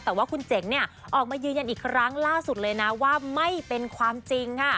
แต่ว่าคุณเจ๋งเนี่ยออกมายืนยันอีกครั้งล่าสุดเลยนะว่าไม่เป็นความจริงค่ะ